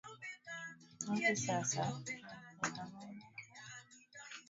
Hivi sasa Nape ana miaka thelathini na tisa alizaliwa mkoani Mwanza tarehe saba mwezi